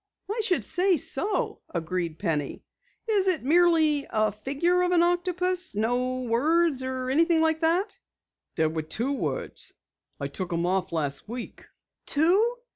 "I should say so," agreed Penny. "Is it merely a figure of an octopus? No words or anything like that?" "There are two words. I took 'em off last week." "Two?"